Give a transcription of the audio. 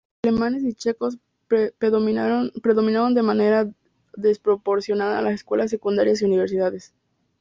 Alemanes y checos predominaron de manera desproporcionada en las escuelas secundarias y universidades.